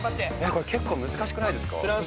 これ結構難しくないですか？